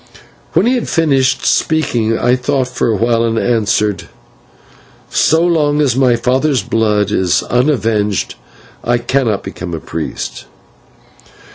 When he had finished speaking I thought for a while, and answered: "So long as my father's blood is unavenged I cannot become a priest."